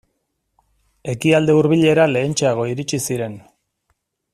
Ekialde Hurbilera lehentxeago iritsi ziren.